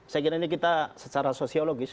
saya kira ini kita secara sosiologis